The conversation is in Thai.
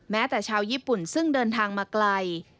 แม้แต่ชาวญี่ปุ่นซึ่งเดินทางมาไกล